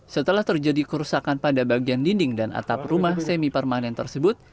setelah terjadi kerusakan pada bagian dinding dan atap rumah semi permanen tersebut